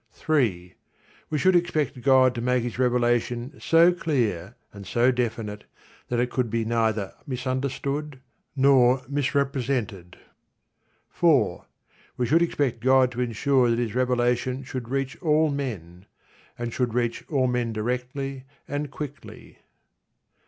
3. We should expect God to make His revelation so clear and so definite that it could be neither misunderstood nor misrepresented. 4. We should expect God to ensure that His revelation should reach all men; and should reach all men directly and quickly.